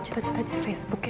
kita aja di facebook ya